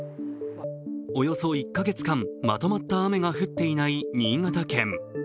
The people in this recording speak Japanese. およそ１か月間、まとまった雨が降っていない新潟県。